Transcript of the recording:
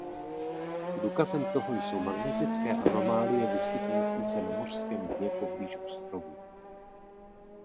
Důkazem toho jsou magnetické anomálie vyskytující se na mořském dně poblíž ostrovů.